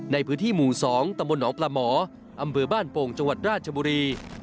ในพื้นที่หมู่๒ตำบลหนองปลาหมออำเภอบ้านโป่งจังหวัดราชบุรี